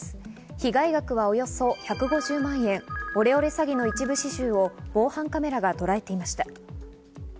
被害額はおよそ１５０万円、オレオレ詐欺の一部始終を防犯カメラがとらえていました。